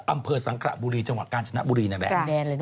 อำเภอสังขระบุรีจังหวะกาลชนะบุรีแห่งแหลม